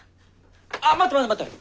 あっ待って待って待って。